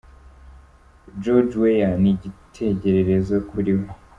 George Weah ni icyitegererezo kuri we.